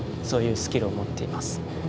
そういうスキルを持っています。